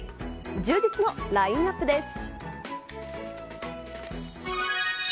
充実のラインアップです。